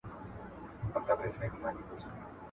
که کورنۍ ملاتړ وکړي، زده کوونکي یوازي نه احساسېږي.